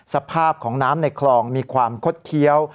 สภาพของน้ำในคลองมีความคดเคี้ยว